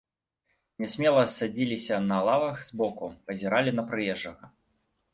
Нясмела садзіліся на лавах збоку, пазіралі на прыезджага.